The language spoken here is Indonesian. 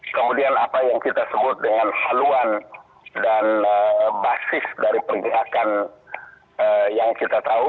kemudian apa yang kita sebut dengan haluan dan basis dari pergerakan yang kita tahu